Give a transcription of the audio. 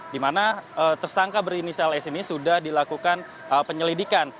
di mana tersangka berinisial s ini sudah dilakukan penyelidikan